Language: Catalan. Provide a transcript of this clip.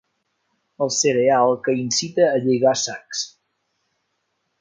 El cereal que incita a lligar sacs.